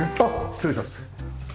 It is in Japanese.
失礼します。